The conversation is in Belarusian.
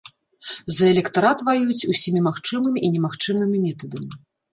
За электарат ваююць усімі магчымымі і немагчымымі метадамі.